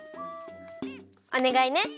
おねがいね。